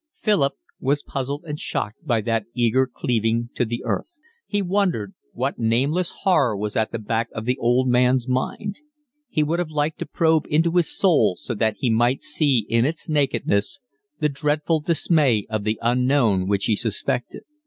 Philip was puzzled and shocked by that eager cleaving to the earth. He wondered what nameless horror was at the back of the old man's mind. He would have liked to probe into his soul so that he might see in its nakedness the dreadful dismay of the unknown which he suspected.